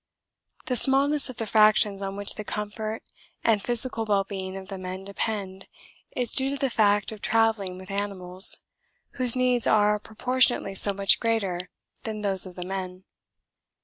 The smallness of the fractions on which the comfort and physical well being of the men depend is due to the fact of travelling with animals whose needs are proportionately so much greater than those of the men.